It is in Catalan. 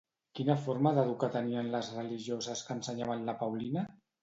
Quina forma d'educar tenien les religioses que ensenyaven la Paulina?